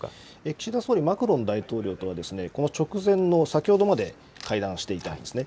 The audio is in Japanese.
岸田総理、マクロン大統領とはこの直前の先ほどまで会談していたんですね。